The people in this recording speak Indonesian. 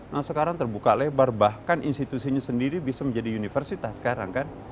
nah sekarang terbuka lebar bahkan institusinya sendiri bisa menjadi universitas sekarang kan